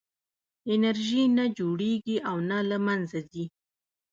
انرژي نه جوړېږي او نه له منځه ځي.